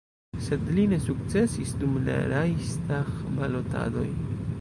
Sed li ne sukcesis dum la Reihstag-balotadoj.